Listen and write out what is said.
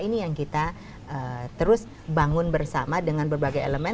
ini yang kita terus bangun bersama dengan berbagai elemen